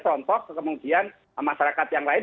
contoh kemudian masyarakat yang lain